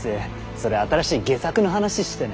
それ新しい戯作の話してね？